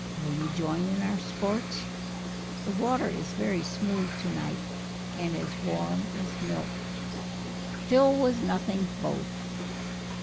Will you join in our sports? The water is very smooth to night, and as warm as milk." Phil was nothing both.